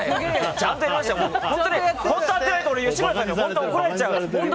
ちゃんと当てないと吉村さんに怒られちゃうから。